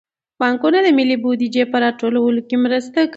بانکونه د ملي بودیجې په راټولولو کې مرسته کوي.